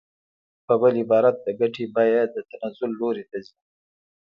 په بل عبارت د ګټې بیه د تنزل لوري ته ځي